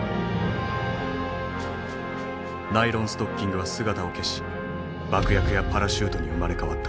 ナイロンストッキングは姿を消し爆薬やパラシュートに生まれ変わった。